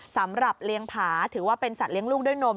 สำหรับเลี้ยงผาถือว่าเป็นสัตว์เลี้ยงลูกด้วยนม